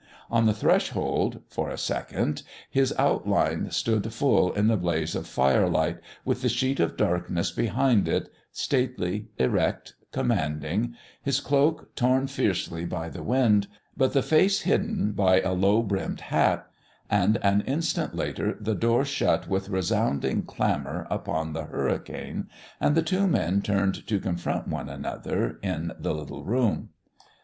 On the threshold, for a second, his outline stood full in the blaze of firelight with the sheet of darkness behind it, stately, erect, commanding, his cloak torn fiercely by the wind, but the face hidden by a low brimmed hat; and an instant later the door shut with resounding clamour upon the hurricane, and the two men turned to confront one another in the little room.